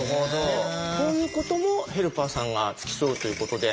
こういうこともヘルパーさんが付き添うということで。